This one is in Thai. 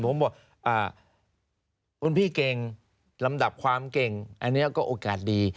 ผมบอกคุณพี่เก่งลำดับความเก่งอันนี้ก็โอกาสดี